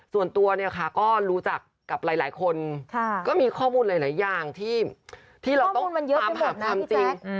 ส่วนตัวเนี่ยค่ะก็รู้จักกับหลายคนก็มีข้อมูลหลายอย่างที่เราต้องตามหาความจริง